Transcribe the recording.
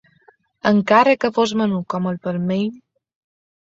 Encara que fos menut com el palmell